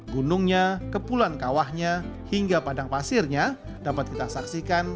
gunungnya kepulan kawahnya hingga padang pasirnya dapat kita saksikan